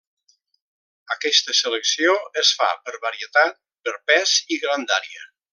Aquesta selecció es fa per varietat, per pes i grandària.